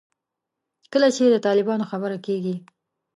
کله چې د طالبانو خبره کېږي.